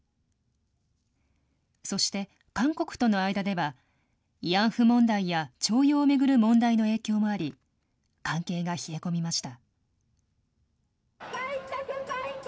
そして韓国との間では、慰安婦問題や、徴用を巡る問題の影響もあり、関係が冷え込みました。